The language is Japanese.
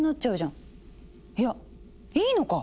いやいいのか！